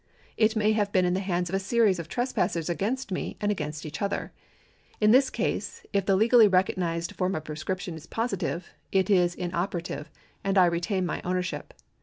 It may have been in the hands of a series of trespassers against me and against each other. In this case, if the legally recognised form of prescription is positive, it is inoperative, and I retain my ownership.